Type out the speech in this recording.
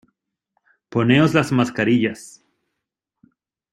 poneos las mascarillas.